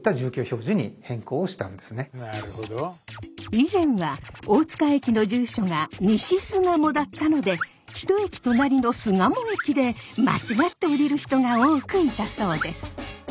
以前は大塚駅の住所が西巣鴨だったので一駅隣の巣鴨駅で間違って降りる人が多くいたそうです。